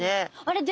あれ？